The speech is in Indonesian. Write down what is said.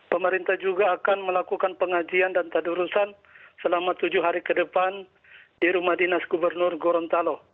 pemerintah juga akan melakukan pengajian dan tadurusan selama tujuh hari ke depan di rumah dinas gubernur gorontalo